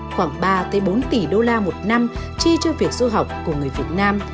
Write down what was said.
khoảng ba bốn tỷ đô la một năm chi cho việc du học của người việt nam